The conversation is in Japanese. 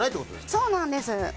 そうなんです。